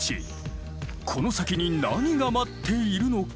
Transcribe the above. この先に何が待っているのか。